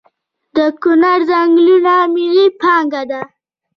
د کنړ ځنګلونه ملي پانګه ده؟